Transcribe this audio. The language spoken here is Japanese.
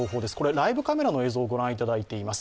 ライブカメラの映像をご覧いただいています。